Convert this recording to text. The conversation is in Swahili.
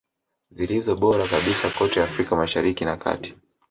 Zilizo bora kabisa kote Afrika Mashariki na kati